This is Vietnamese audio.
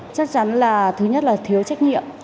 chắc chắn là thứ nhất là thiếu trách nhiệm